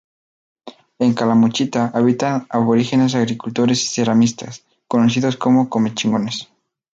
En Calamuchita habitaban aborígenes agricultores y ceramistas, conocidos como Comechingones.